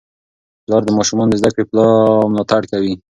پلار د ماشومانو د زده کړې ملاتړ کوي.